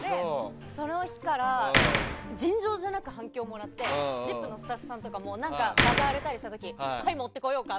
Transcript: その日から尋常じゃなく反響をもらって「ＺＩＰ！」のスタッフさんとかも場が荒れたりした時にパイ持ってこようか？